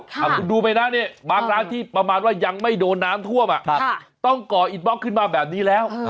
คุณดูไปนะเนี่ยบางร้านที่ประมาณว่ายังไม่โดนน้ำท่วมต้องก่ออิดบล็อกขึ้นมาแบบนี้แล้ว